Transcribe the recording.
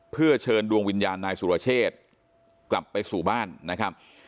เพื่อเชิญดวงวิญญาณนายสุรเชษกลับไปสู่บ้านนะครับ